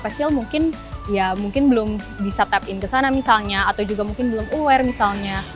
kecil mungkin ya mungkin belum bisa tap in kesana misalnya atau juga mungkin belum aware misalnya